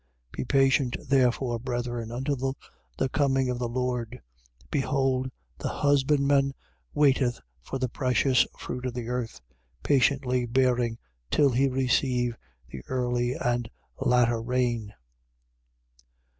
5:7. Be patient therefore, brethren, until the coming of the Lord. Behold, the husbandman waiteth for the precious fruit of the earth: patiently bearing till he receive the early and latter rain.